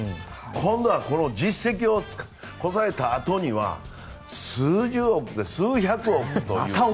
今度は実績をこさえたあとには数十億、数百億という。